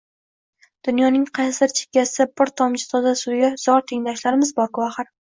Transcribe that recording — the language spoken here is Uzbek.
Dunyoning qaysidir chekkasida bir tomchi toza suvga zor tengdoshlarimiz borku, axir